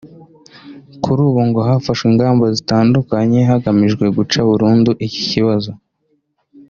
kuri ubu ngo kafashe ingamba zitandukanye hagamijwe guca burundu iki kibazo